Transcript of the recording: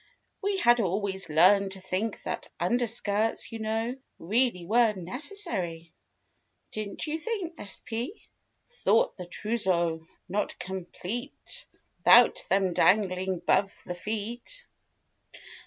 We had always learned to think that Underskirts, you know. Really were necessary— Didn't you think sp? Thought the trouseau not complete 'Thout them dangling 'bove the feet.